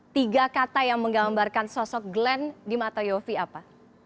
tiga kata yang menggambarkan sosok glenn di mata yofi apa